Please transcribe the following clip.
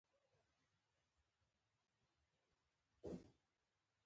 هر څوک کولی شي د خپل فکر له لارې یو نوی نوښت رامنځته کړي.